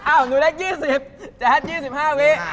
หนูเล็ก๒๐แจ๊ด๒๕วิ